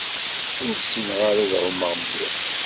Ur ssineɣ ara ad ɛumeɣ mliḥ.